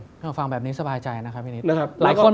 เพื่อนของฟังแบบนี้สบายใจนะครับพี่นิศ